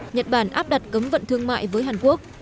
nhật bản áp đặt cấm vận thương mại với hàn quốc